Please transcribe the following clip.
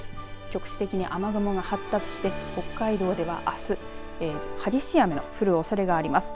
局地的に雨雲が発達して北海道ではあす激しい雨の降るおそれがあります。